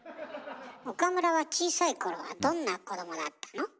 岡村は小さい頃はどんな子どもだったの？